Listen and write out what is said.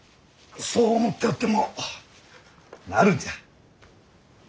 そう思っておってもなるんじゃ。